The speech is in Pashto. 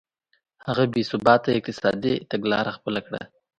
هغه بې ثباته اقتصادي تګلاره خپله کړه.